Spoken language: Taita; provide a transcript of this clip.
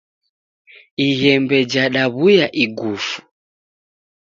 Ighembe jadaw'uya igufu.